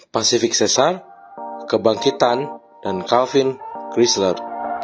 pacific cesar kebangkitan dan calvin chrysler